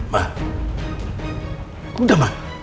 mah udah mah